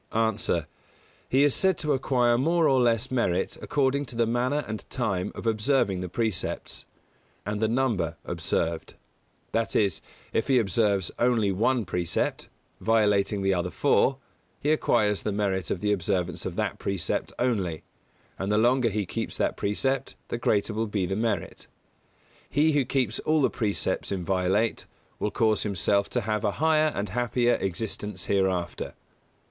_ A. He is said to acquire more or less merit according to the manner and time of observing the precepts, and the number observed; that is, if he observes only one precept, violating the other four, he acquires the merit of the observance of that precept only; and the longer he keeps that precept the greater will be the merit. He who keeps all the precepts inviolate will cause himself to have a higher and happier existence hereafter.